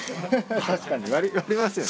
確かに割りますよね。